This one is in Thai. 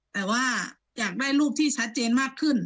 แต่ว่าอยากได้รูปที่ชัดเจนมากขึ้น